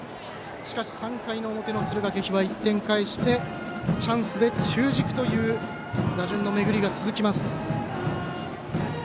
しかし、３回の表は敦賀気比は１点返してチャンスで中軸という打順の巡りが続きます。